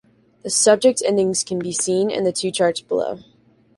The subject endings can be seen in the two charts below.